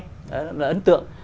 nó là ấn tượng